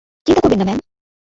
চিন্তা করবেন না, ম্যাম!